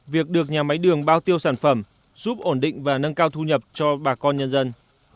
việc được nhà máy đường bao tiêu sản phẩm giúp ổn định và nâng cao thu nhập cho bà con nhân dân